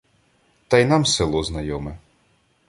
Та й нам село знайоме.